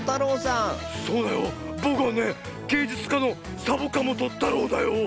そうだよ。ぼくはねげいじゅつかのサボかもとたろうだよ。